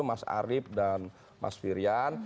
mas arief dan mas firian